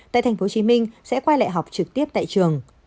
tại tp hcm sẽ quay lại học trực tiếp tại trường